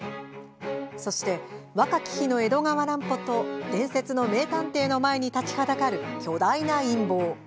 そして、若き日の江戸川乱歩と伝説の名探偵の前に立ちはだかる巨大な陰謀。